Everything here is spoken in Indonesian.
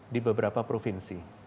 di beberapa provinsi